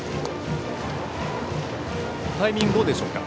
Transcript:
タイミング、どうでしょうか。